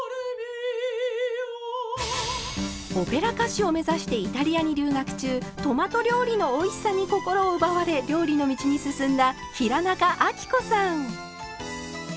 オペラ歌手を目指してイタリアに留学中トマト料理のおいしさに心を奪われ料理の道に進んだ平仲亜貴子さん。